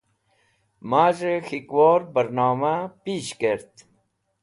Maz̃hey K̃hikwor Barnoma Pish Kert